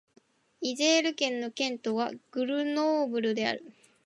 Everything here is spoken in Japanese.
イゼール県の県都はグルノーブルである